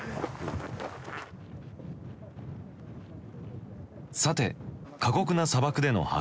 さて過酷な砂漠での発掘調査。